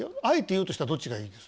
あえて言うとしたらどっちがいい？